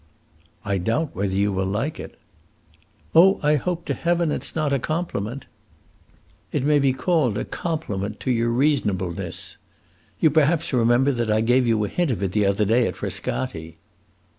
"I doubt whether you will like it." "Oh, I hope to heaven it 's not a compliment!" "It may be called a compliment to your reasonableness. You perhaps remember that I gave you a hint of it the other day at Frascati."